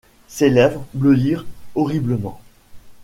Ses lèvres bleuirent horriblement.